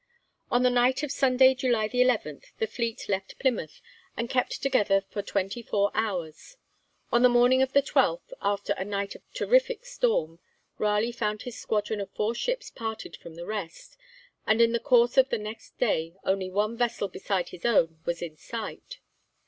On the night of Sunday, July 10, the fleet left Plymouth, and kept together for twenty four hours. On the morning of the 12th, after a night of terrific storm, Raleigh found his squadron of four ships parted from the rest, and in the course of the next day only one vessel beside his own was in sight.